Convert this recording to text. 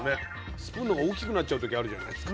スプーンのほうが大きくなっちゃう時あるじゃないですか。